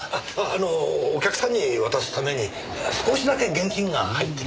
あのお客さんに渡すために少しだけ現金が入ってるんです。